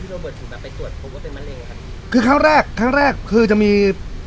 โรเบิร์ตถึงแบบไปตรวจพบว่าเป็นมะเร็งครับคือครั้งแรกครั้งแรกคือจะมี